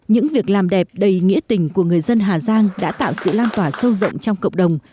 những việc làm đẹp đầy nghĩa tình của người dân hà giang đã tạo sự lan tỏa sâu rộng trong cộng đồng